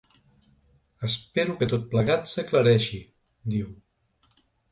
Espero que tot plegat s’aclareixi, diu.